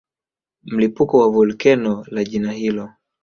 Mlipuko wa volkeno la jina hilo